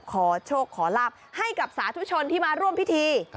ขอโชคขอลาบให้กับสาธุชนที่มาร่วมพิธี